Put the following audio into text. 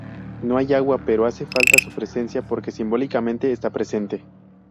No hay agua pero no hace falta su presencia porque simbólicamente esta presente.